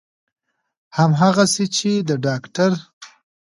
همغسې چې د داکتر